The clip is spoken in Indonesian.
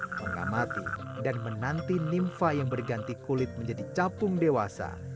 mengamati dan menanti nimfa yang berganti kulit menjadi capung dewasa